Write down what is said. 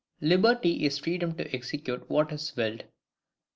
Liberty is freedom to execute what is willed.